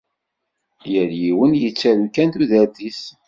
Yal yiwen yettaru kan tudert-is.